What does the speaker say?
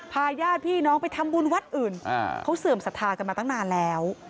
ญาติพี่น้องไปทำบุญวัดอื่นเขาเสื่อมศรัทธากันมาตั้งนานแล้ว